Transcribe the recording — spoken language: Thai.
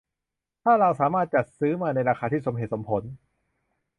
ถ้าเราสามารถจัดซื้อมาในราคาที่สมเหตุสมผล